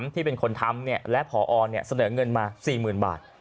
ที่เป็นคนทำเนี่ยและผอเนี่ยเสนอเงินมาสี่หมื่นบาท